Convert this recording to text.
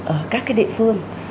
ở các địa phương